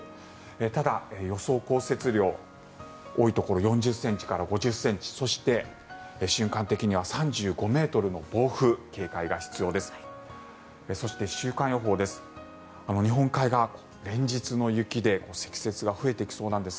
ただ、予想降雪量多いところ４０ｃｍから５０ｃｍそして、瞬間的には３５ｍの暴風警戒が必要です。